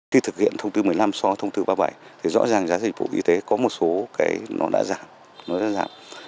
khi thực hiện thông tư một mươi năm sáu thông tư ba mươi bảy thì rõ ràng giá dịch vụ y tế có một số nó đã giảm